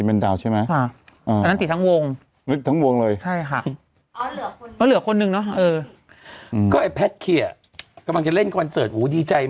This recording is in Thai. แล้วคนน้องกิศทีมแมนดาวอ่าทีมแมนดาวใช่ไหมฮะอ้า